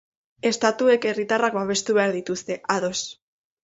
Estatuek herritarrak babestu behar dituzte, ados.